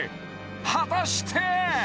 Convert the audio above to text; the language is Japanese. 果たして！？